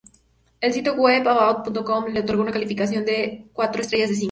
El sitio web About.com le otorgó una calificación de cuatro estrellas de cinco.